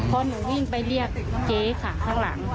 พอหนูวิ่งไปเรียกเจ๊ค่ะข้างหลัง